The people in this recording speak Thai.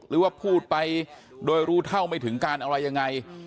หรือว่าพูดไปโดยรู้เท่าไม่ถึงการอะไรยังไง